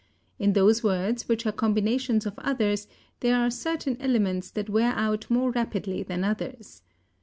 In those words which are combinations of others there are certain elements that wear out more rapidly than others.